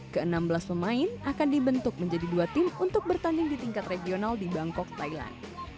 ke enam belas pemain akan dibentuk menjadi dua tim untuk bertanding di tingkat regional di bangkok thailand